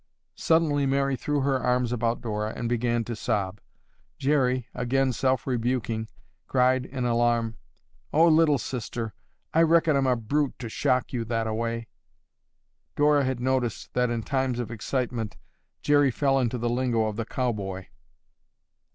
Suddenly Mary threw her arms about Dora and began to sob. Jerry, again self rebuking, cried in alarm, "Oh, Little Sister, I reckon I'm a brute to shock you that a way." Dora had noticed that in times of excitement Jerry fell into the lingo of the cowboy.